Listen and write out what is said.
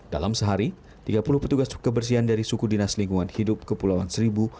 dalam sehari tiga puluh petugas kebersihan dari suku dinas lingkungan hidup kepulauan seribu